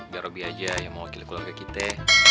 biar roby aja yang mewakili keluarga kita